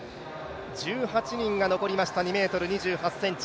１８人が残りました、２ｍ２８ｃｍ。